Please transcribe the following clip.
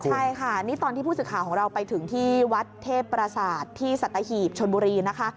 ใช่ค่ะนี่ตอนที่ผู้สื่อข่าวของเราไปถึงที่วัดเทพประสาทที่สัตหีบชนบุรีนะคะ